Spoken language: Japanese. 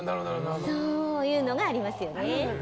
そういうのがありますよね。